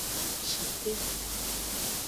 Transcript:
Shike.